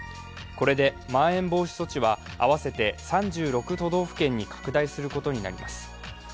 これで、まん延防止措置は合わせて３６都道府県に拡大することになります。